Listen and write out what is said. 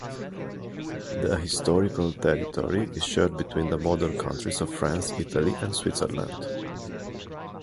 The historical territory is shared between the modern countries of France, Italy, and Switzerland.